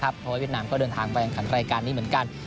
เพราะว่าเวียดนามก็เดินทางไปแข่งขันรายการนี้เหมือนกัน